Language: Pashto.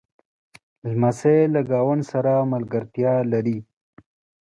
لمسی له ګاونډ سره ملګرتیا لري.